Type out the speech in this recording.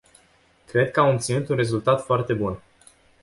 Cred că am obținut un rezultat foarte bun.